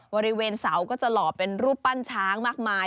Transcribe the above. บริเวณเสาก็จะหล่อเป็นรูปปั้นช้างมากมาย